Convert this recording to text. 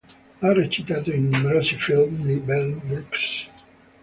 Ha recitato in numerosi film di Mel Brooks.